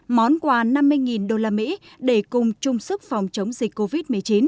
món quà năm mươi đô la mỹ để cùng chung sức phòng chống dịch covid một mươi chín